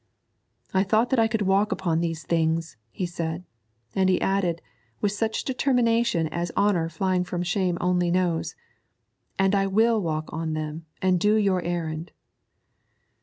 'I thought that I could walk upon these things,' he said, and he added, with such determination as honour flying from shame only knows, 'and I will walk on them and do your errand.'